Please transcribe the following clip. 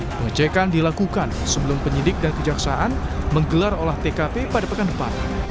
pengecekan dilakukan sebelum penyidik dan kejaksaan menggelar olah tkp pada pekan depan